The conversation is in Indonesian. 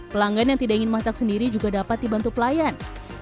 pelanggan yang tidak ingin masak sendiri juga dapat dibantu pelayan